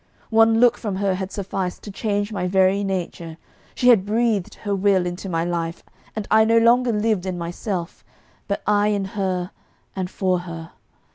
One look from her had sufficed to change my very nature. She had breathed her will into my life, and I no longer lived in myself, but in her and for her.